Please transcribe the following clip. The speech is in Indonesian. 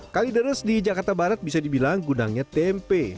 kali deres di jakarta barat bisa dibilang gunangnya tempe